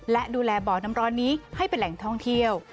และดูแลบ่อน้ำร้อนนี้ให้เป็นแหล่งท่องเที่ยว